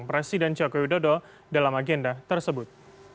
presiden joko widodo dalam agenda tersebut